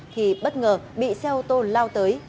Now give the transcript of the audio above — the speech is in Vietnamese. khi bất ngờ bị xe ô tô lao tới